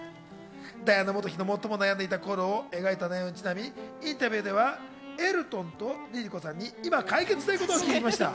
ダイアナ元妃の最も悩んでた頃を描いた内容にちなみ、インタビューではエルトンとＬｉＬｉＣｏさんに今、解決したいことを聞きました。